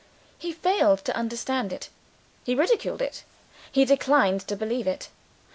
He failed to understand it; he ridiculed it; he declined to believe it.